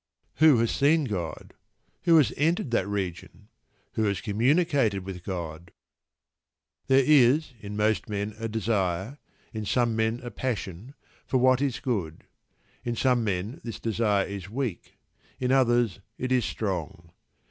Who has seen God? Who has entered that "region"? Who has communicated with God? There is in most men a desire, in some men a passion, for what is good. In some men this desire is weak, in others it is strong.